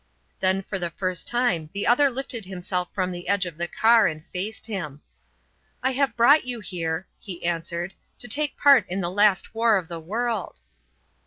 Then for the first time the other lifted himself from the edge of the car and faced him. "I have brought you here," he answered, "to take part in the last war of the world."